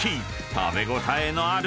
食べ応えある。